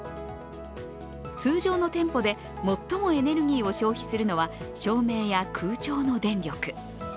通常の店舗で最もエネルギーを消費するのは、照明や空調の電力。